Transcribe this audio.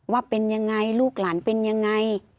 ว่าเป็นยังไงลูกหลานเป็นยังไง